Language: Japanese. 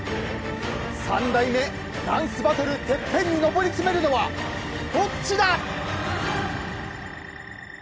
３代目ダンスバトルＴＥＰＰＥＮに上り詰めるのはどっちだ！